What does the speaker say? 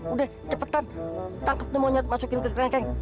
udah cepetan tangkap tuh monyet masukin ke krengkeng